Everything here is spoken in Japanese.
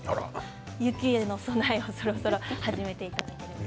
雪への備えをそろそろ始めてください。